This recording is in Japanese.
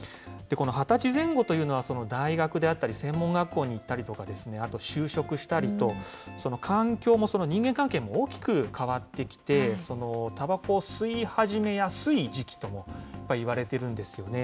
２０歳前後というのは、大学であったり、専門学校に行ったりとか、あと就職したりと、環境も人間関係も大きく変わってきて、たばこを吸い始めやすい時期ともいわれているんですよね。